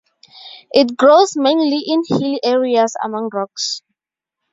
It grows mainly in hilly areas among rocks.